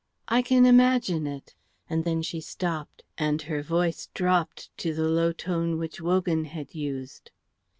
I can imagine it;" and then she stopped, and her voice dropped to the low tone which Wogan had used.